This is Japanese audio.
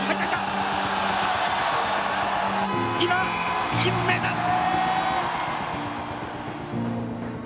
今金メダル！